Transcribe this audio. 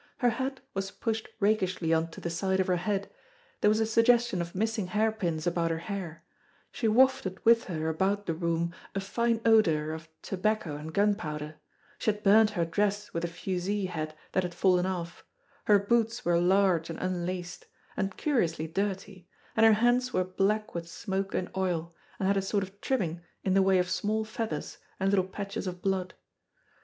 Her hat was pushed rakishly on to the side of her head, there was a suggestion of missing hair pins about her hair; she wafted with her about the room a fine odour of tobacco and gunpowder; she had burned her dress with a fusee head that had fallen off; her boots were large and unlaced, and curiously dirty, and her hands were black with smoke and oil, and had a sort of trimming in the way of small feathers and little patches of blood.